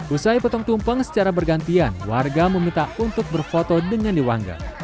usai potong tumpeng secara bergantian warga meminta untuk berfoto dengan di wangger